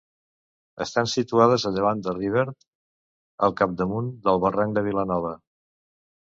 Estan situades a llevant de Rivert, al capdamunt del barranc de Vilanova.